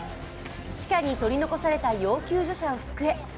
地下に取り残された要救助者をすくえ。